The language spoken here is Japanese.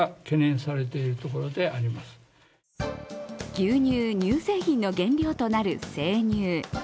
牛乳・乳製品の原料となる生乳。